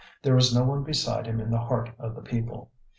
There is no one beside him in the heart of the people.